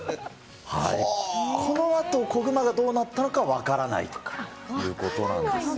このあと、子熊がどうなったのか分からないということなんですよ。